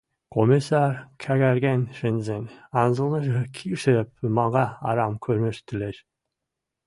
Комиссар кӓкӓрген шӹнзӹн, анзылныжы кишӹ пумага арам кормежтӹлеш.